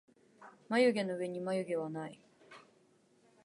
まゆげのうえにはまゆげはない